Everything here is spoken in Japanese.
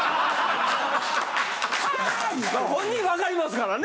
そら本人わかりますからね。